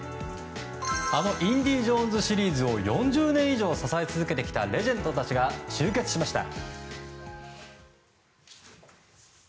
あの「インディ・ジョーンズ」シリーズを４０年以上支え続けてきたレジェンドたちが集結しました。